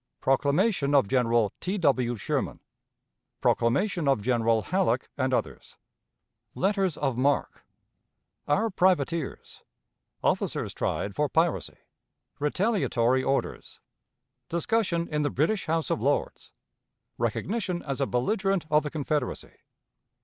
Proclamation of General T. W. Sherman. Proclamation of General Halleck and others. Letters of Marque. Our Privateers. Officers tried for Piracy. Retaliatory Orders. Discussion in the British House of Lords. Recognition as a Belligerent of the Confederacy.